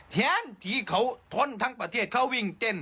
แทนที่เขาทนทั้งประเทศเขาวิ่งเต้น